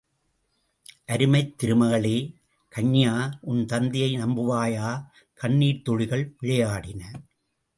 அருமைத் திருமகளே, கன்யா!.உன் தந்தையை நம்புவாயா?... கண்ணீர்த்துளிகள் விளையாடின.